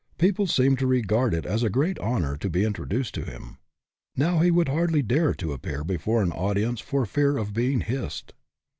People seemed to regard it as a great honor to be introduced to him. Now he would hardly dare to appear before an audience for fear of being hissed.